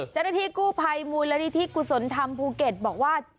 เจ้าหน้าที่กู้ภัยมูลนิธิกุศลธรรมภูเก็ตบอกว่า